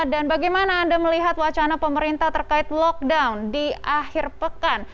dan bagaimana anda melihat wacana pemerintah terkait lockdown di akhir pekan